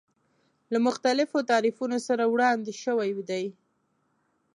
له مختلفو تعریفونو سره وړاندې شوی دی.